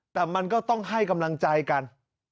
แต่มันก็ต้องให้กำลังใจกัน